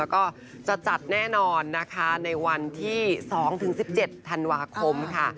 แล้วก็จะจัดแน่นอนนะคะในวันที่๒๑๗ธันวาคมค่ะ